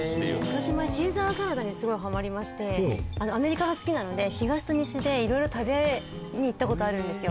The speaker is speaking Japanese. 私前シーザーサラダにすごいハマりましてアメリカが好きなので東と西でいろいろ食べに行った事あるんですよ。